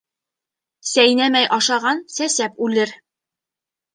Сәйнәмәй ашаған сәсәп үлер.